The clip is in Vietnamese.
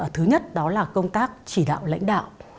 thứ nhất đó là công tác chỉ đạo lãnh đạo